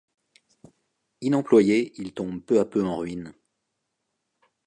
Inemployé, il tombe peu à peu en ruine.